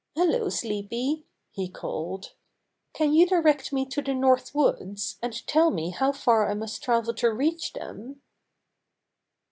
^^Hello, Sleepy," he called, "can you direct me to the North Woods, and tell me how far I must travel to reach them?"